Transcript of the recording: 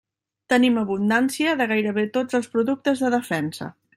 Tenim abundància de gairebé tots els productes de defensa.